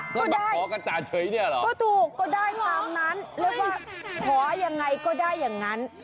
ก็ได้ก็ถูกก็ได้ตามนั้นเรียกว่าขอยังไงก็ได้อย่างนั้น